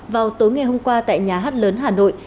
vào tối ngày hôm qua tại nhà hát lớn hà nội